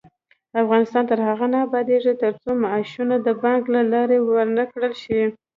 افغانستان تر هغو نه ابادیږي، ترڅو معاشونه د بانک له لارې ورنکړل شي.